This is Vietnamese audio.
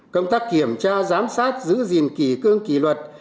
công tác kiểm tra giám sát giữ gìn kỷ cương kỷ luật